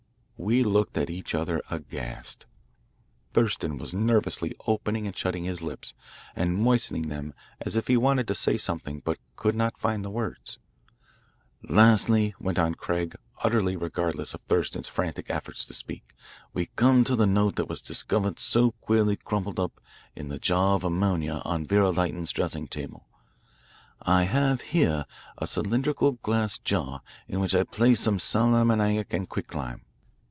We looked at each other aghast. Thurston was nervously opening and shutting his lips and moistening them as if he wanted to say something but could not find the words. "Lastly," went on Craig, utterly regardless of Thurston's frantic efforts to speak, "we come to the note that was discovered so queerly crumpled up in the jar of ammonia on Vera Lytton's dressing table. I have here a cylindrical glass jar in which I place some sal ammoniac and quicklime.